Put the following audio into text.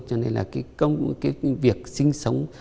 cho nên là cái công việc sinh sống